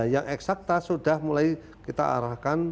yang eksakta sudah mulai kita arahkan